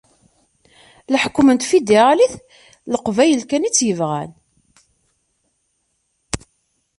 Leḥkem n tafidiralit d Leqbayel kan i t-yebɣan...